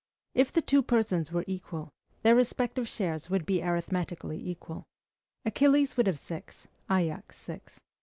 If the two persons were equal, their respective shares would be arithmetically equal: Achilles would have six, Ajax six.